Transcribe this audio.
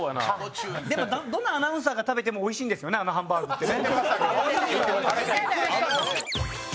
でも、どのアナウンサーが食べてもおいしいんですよね、あのハンバーグね。